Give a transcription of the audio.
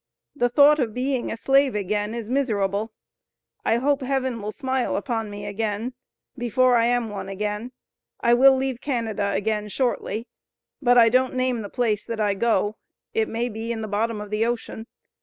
The thought of being a slave again is miserable. I hope heaven will smile upon me again, before I am one again. I will leave Canada again shortly, but I don't name the place that I go, it may be in the bottom of the ocean.